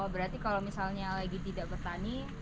berarti kalau misalnya lagi tidak bertani